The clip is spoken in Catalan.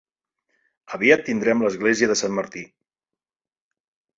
Aviat tindrem l'església de Sant Martí.